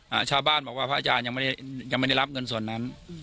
ชาวบ้านบอกว่าพระอาจารย์ยังไม่ได้ยังไม่ได้รับเงินส่วนนั้นอืม